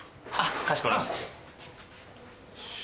かしこまりました。